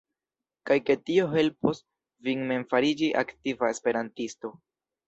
Kaj ke tio helpos vin mem fariĝi aktiva esperantisto.